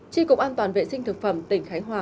tri cục an toàn vệ sinh thực phẩm tỉnh khánh hòa